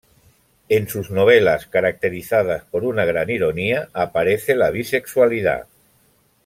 En sus novelas, caracterizadas por una gran ironía, aparece la bisexualidad.